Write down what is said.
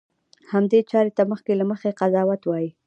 همدې چارې ته مخکې له مخکې قضاوت وایي.